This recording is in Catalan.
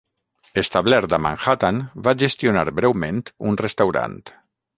Establert a Manhattan, va gestionar breument un restaurant.